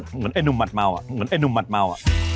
เหมือนไอ้หนุ่มหัดเมาอ่ะเหมือนไอ้หนุ่มหมัดเมา